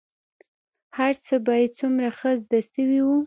هرڅه به يې څومره ښه زده سوي وو.